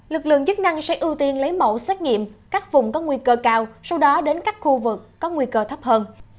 lực lượng chức năng sẽ ưu tiên lấy mẫu xét nghiệm các vùng có nguy cơ cao sau đó đến các khu vực có nguy cơ thấp hơn